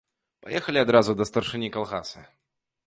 Паехалі адразу да старшыні калгаса.